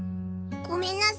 ごめんなさい